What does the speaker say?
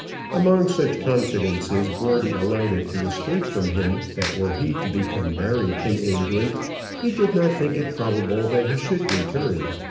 Among such confidences Gordon allowed it to escape from him that were he to become married in England, he did not think it probable that he should return.